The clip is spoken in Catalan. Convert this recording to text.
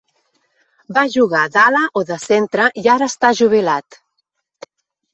Va jugar d'ala o de centre i ara està jubilat.